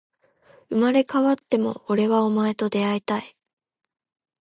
生まれ変わっても、俺はお前と出会いたい